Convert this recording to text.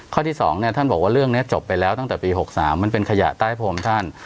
ข้อที่๒เนี่ยท่านบอกว่าเรื่องนี้จบไปแล้วตั้งแต่ปี๖๓มันเป็นขยะใต้โพมท่าน